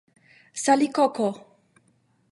salikoko